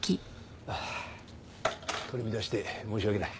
取り乱して申し訳ない。